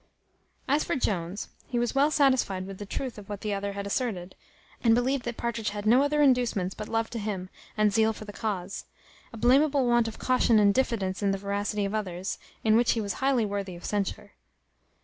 As for Jones, he was well satisfied with the truth of what the other had asserted, and believed that Partridge had no other inducements but love to him, and zeal for the cause; a blameable want of caution and diffidence in the veracity of others, in which he was highly worthy of censure.